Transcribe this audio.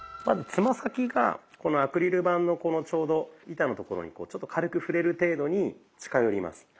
まずつま先がこのアクリル板のちょうど板のところにちょっと軽く触れる程度に近寄ります。